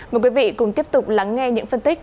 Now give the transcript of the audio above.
mời quý vị cùng tiếp tục lắng nghe những phân tích